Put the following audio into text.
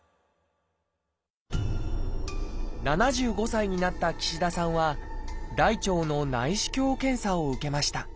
７５歳になった岸田さんは大腸の内視鏡検査を受けました。